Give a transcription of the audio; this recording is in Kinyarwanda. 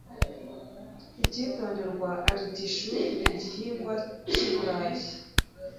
Icyitonderwa Artichaut ni igihingwa cy'i Burayi